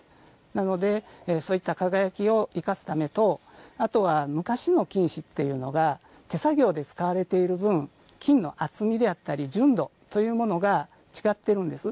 なので、そういった輝きをいかすためとあとは昔の金糸っていうのが手作業で作られている分金の厚みであったり純度というのものが違っているんです。